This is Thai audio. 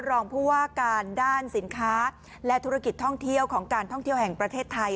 รองผู้ว่าการด้านสินค้าและธุรกิจท่องเที่ยวของการท่องเที่ยวแห่งประเทศไทย